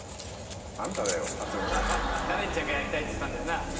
カレンちゃんがやりたいつったんだよな。